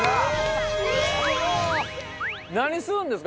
何するんですか？